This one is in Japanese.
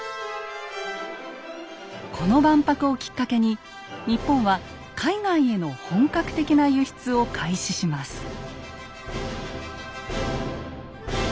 この万博をきっかけに日本は海外への本格的な輸出を開始します。